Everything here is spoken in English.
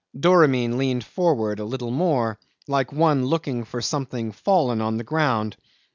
Doramin leaned forward a little more, like one looking for something fallen on the ground.